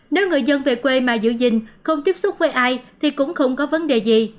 nếu người dân về quê mà giữ gìn không tiếp xúc với ai thì cũng không có vấn đề gì